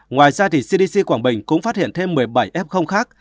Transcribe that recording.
ngoài ra cdc quảng bình cũng phát hiện thêm một mươi bảy f khác